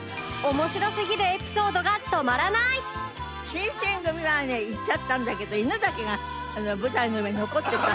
新撰組はね行っちゃったんだけど犬だけが舞台の上に残ってた。